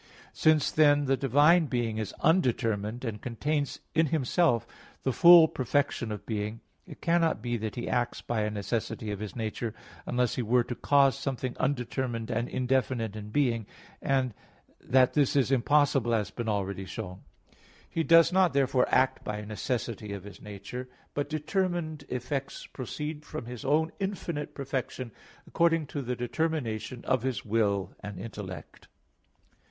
Since, then, the Divine Being is undetermined, and contains in Himself the full perfection of being, it cannot be that He acts by a necessity of His nature, unless He were to cause something undetermined and indefinite in being: and that this is impossible has been already shown (Q. 7, A. 2). He does not, therefore, act by a necessity of His nature, but determined effects proceed from His own infinite perfection according to the determination of His will and intellect.